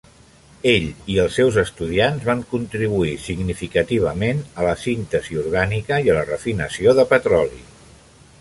Ell i els seus estudiants van contribuir significativament a la síntesi orgànica i a la refinació de petroli.